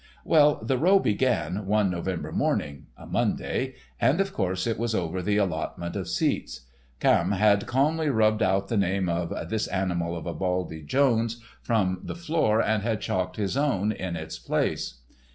Well, the row began one November morning—a Monday—and, of course, it was over the allotment of seats. Camme had calmly rubbed out the name of "This Animal of a Buldy Jones" from the floor, and had chalked his own in its place.